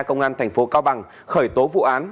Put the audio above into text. công an thành phố cao bằng khởi tố vụ án